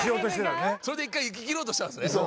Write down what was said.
それで１回いききろうとしたんですね？